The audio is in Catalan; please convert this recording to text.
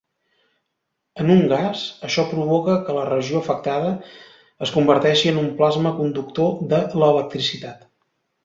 En un gas, això provoca que la regió afectada es converteixi en un plasma conductor de l'electricitat.